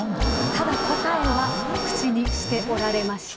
ただ答えは口にしておられました。